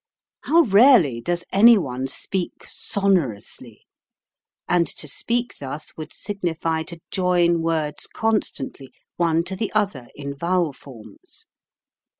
How rarely does any one speak sonorously, and to speak thus would signify to join words constantly, one to the other in vowel forms!